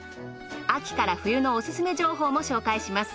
秋から冬のオススメ情報も紹介します。